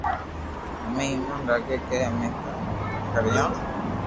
ھمي ايمون ني لاگي ھي ڪي امي ڪوم ڪريو